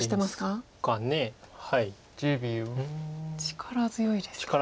力強いですね。